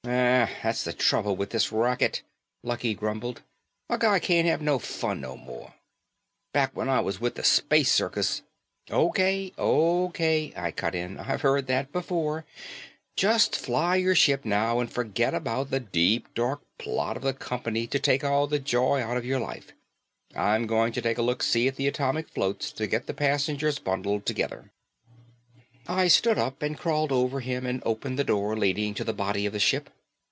"Aw, that's the trouble with this racket," Lucky grumbled, "a guy can't have no fun no more. Back when I was with the Space circus " "Okay, okay," I cut in, "I've heard that before. Just fly your ship, now, and forget about the deep dark plot of the company to take all the joy out of your life. I'm going to take a look see at the atomic floats and get the passengers bundled together." I stood up and crawled over him and opened the door leading to the body of the ship.